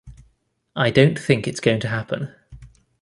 I don't think it's going to happen.